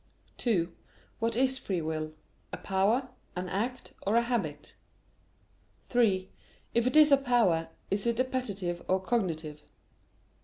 (2) What is free will a power, an act, or a habit? (3) If it is a power, is it appetitive or cognitive?